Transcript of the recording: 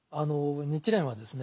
日蓮はですね